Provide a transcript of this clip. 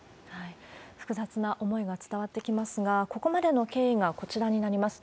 複雑な思いが伝わってきますが、ここまでの経緯がこちらになります。